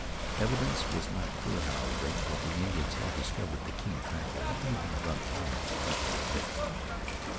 Evidence was not clear, however, that the Indians had discovered the keen tracker who had run almost into their midst.